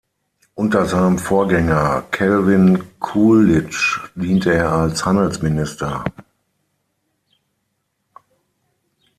Unter seinem Vorgänger Calvin Coolidge diente er als Handelsminister.